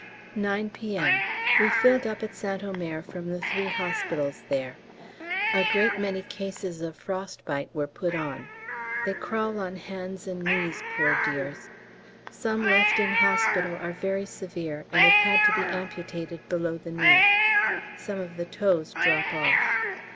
9 P.M. We filled up at St Omer from the three hospitals there. A great many cases of frost bite were put on. They crawl on hands and knees, poor dears. Some left in hospital are very severe and have had to be amputated below the knee. Some of the toes drop off.